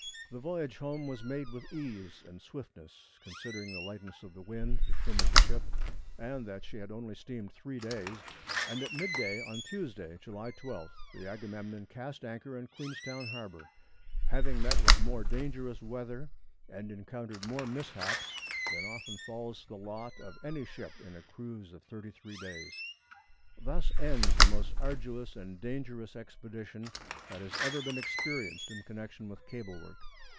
The voyage home was made with ease and swiftness considering the lightness of the wind, the trim of the ship, and that she only steamed three days, and at midday on Tuesday, July 12th, the Agamemnon cast anchor in Queenstown harbor, having met with more dangerous weather, and encountered more mishaps than often falls to the lot of any ship in a cruise of thirty three days. Thus ends the most arduous and dangerous expedition that had ever been experienced in connection with cable work.